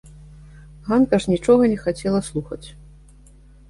Ганка ж нічога не хацела слухаць.